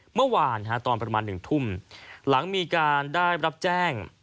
เมื่อวานตอนประมาณ๑ทุ่มหลังมีการได้รับแจ้ง